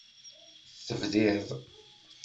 Tebdid.